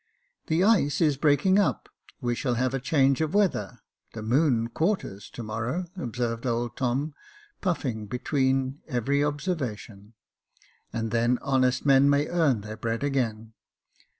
" The ice is breaking up — we shall have a change of weather — the moon quarters to morrow," observed old Tom, puffing between every observation ;" and then honest men may earn their bread again.